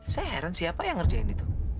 saya heran siapa yang ngerjain itu